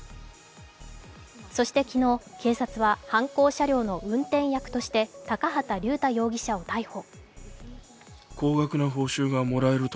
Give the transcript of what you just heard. そして昨日、警察は犯行車両の運転役として高畑竜太容疑者を逮捕。